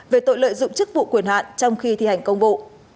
về tội lợi dụng chức vụ quyền hạn trong khi thi hành công vụ